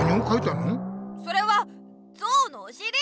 それはゾウのおしり！